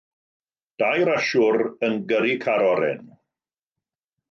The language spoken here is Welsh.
Dau rasiwr yn gyrru car oren.